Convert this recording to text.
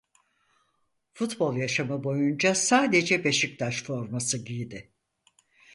Futbol yaşamı boyunca sadece Beşiktaş forması giydi.